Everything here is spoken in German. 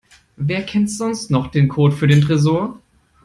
Wer kennt sonst noch den Code für den Tresor?